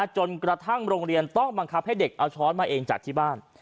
จนกระทั่งโรงเรียนต้องบังคับให้เด็กเอาช้อนมาเองจัดที่บ้าน